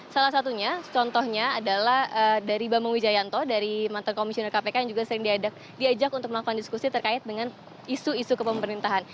salah satunya contohnya adalah dari bambang wijayanto dari mantan komisioner kpk yang juga sering diajak untuk melakukan diskusi terkait dengan isu isu kepemerintahan